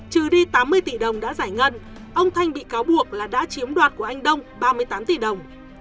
trừ đi tám mươi tỷ đồng đã giải ngân ông thanh bị cáo buộc là đã chiếm đoạt của anh đông ba mươi tám tỷ đồng